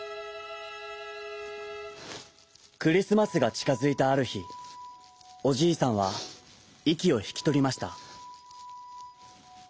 クリスマスがちかづいたあるひおじいさんはいきをひきとりました。